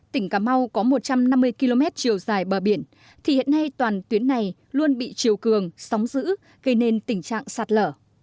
tỉnh cà mau có một trăm năm mươi km chiều dài bờ biển thì hiện nay toàn tuyến này luôn bị triều cường sóng giữ gây nên tình trạng sạt lở